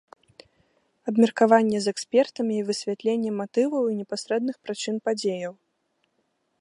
Абмеркаванне з экспертамі і высвятленне матываў і непасрэдных прычын падзеяў.